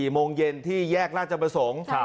โมงเย็นที่แยกราชประสงค์